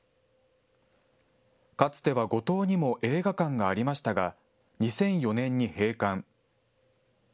かつては五島にも映画館がありましたが、２００４年に閉館。